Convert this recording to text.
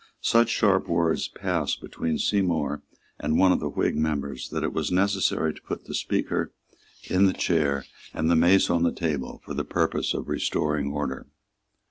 Such sharp words passed between Seymour and one of the Whig members that it was necessary to put the Speaker in the chair and the mace on the table for the purpose of restoring order.